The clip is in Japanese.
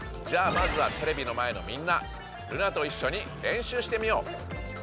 じゃあまずはテレビの前のみんなルナといっしょに練習してみよう！